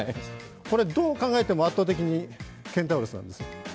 これ、どう考えても圧倒的にケンタウロスなんです。